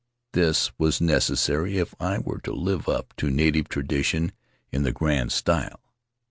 This was necessary if I were to live up to native tradi tion in the grand style.